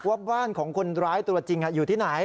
ว่าบ้านของคนร้ายตัวจริงอยู่ที่ไหน